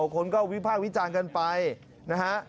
คนก็วิพากษ์วิจารณ์กันไปนะฮะ